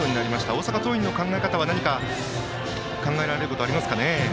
大阪桐蔭の考え方は何か考えられることはありますか。